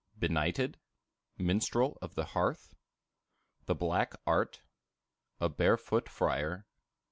Benighted. Minstrel of the Hearth. The Black Art. A Barefoot Friar.